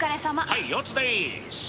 はいおつです。